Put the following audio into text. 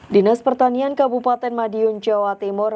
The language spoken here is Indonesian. dinas pertanian kabupaten madiun jawa timur